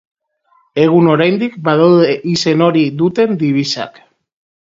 Egun oraindik, badaude izen hori duten dibisak.